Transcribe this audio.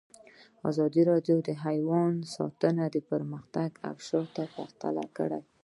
ازادي راډیو د حیوان ساتنه پرمختګ او شاتګ پرتله کړی.